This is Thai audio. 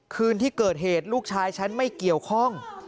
คืนที่เกิดเหตุลูกชายฉันไม่เกี่ยวข้อง